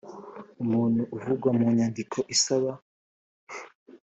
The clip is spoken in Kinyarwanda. Umuntu uvugwa mu nyandiko isaba